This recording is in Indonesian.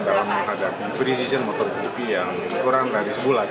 dalam menghadapi presiden motogp yang kurang dari sebulan